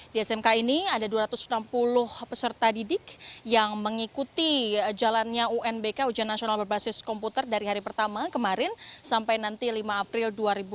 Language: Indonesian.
di smk ini ada dua ratus enam puluh peserta didik yang mengikuti jalannya unbk ujian nasional berbasis komputer dari hari pertama kemarin sampai nanti lima april dua ribu dua puluh